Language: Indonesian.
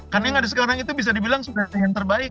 karena yang ada sekarang itu bisa dibilang sudah yang terbaik